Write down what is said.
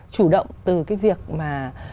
chủ động từ cái việc mà